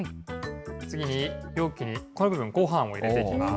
次に、容器にこの部分、ごはんを入れていきます。